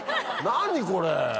何これ！